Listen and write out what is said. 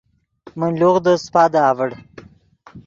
من لوغدے سیپادے اڤڑ